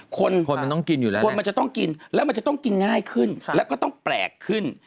คนมันจะต้องกินแล้วมันจะต้องกินง่ายขึ้นแล้วก็ต้องแปลกขึ้น